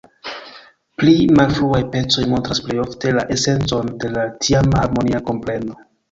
Pli malfruaj pecoj montras plej ofte la esencon de la tiama harmonia kompreno.